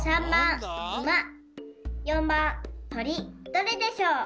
どれでしょう？